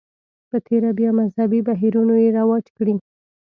په تېره بیا مذهبي بهیرونو یې رواج کړي.